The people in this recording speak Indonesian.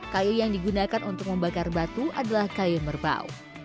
kayu yang digunakan untuk membakar batu adalah kayu merbau